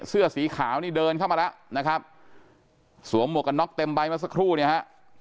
เสื้อสีขาวนี่เดินเข้ามาแล้วนะครับสวมหมวกกันน็อกเต็มใบมาสักครู่เนี่ยฮะ